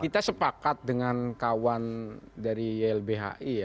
kita sepakat dengan kawan dari ylbhi ya